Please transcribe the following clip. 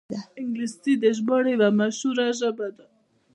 انګلیسي د ژباړې یوه مشهوره ژبه ده